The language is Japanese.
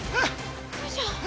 よいしょ。